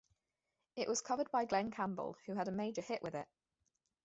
It was covered by Glen Campbell, who had a major hit with it.